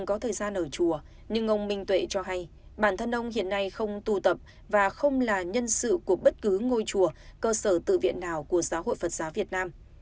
ông minh tuệ cho hay bản thân ông hiện nay không tu tập và không là nhân sự của bất cứ ngôi chùa cơ sở tự viện nào của giáo hội phật giáo việt nam